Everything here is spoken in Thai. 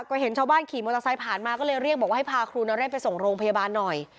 ก็เห็นชาวบ้านขี่มอเตอร์ไซค์ผ่านมาก็เลยเรียกบอกว่าให้พาครูนเรศไปส่งโรงพยาบาลหน่อย